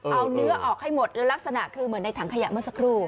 เอาเนื้อออกให้หมดแล้วลักษณะเหมือนในถังขยะมาสักรู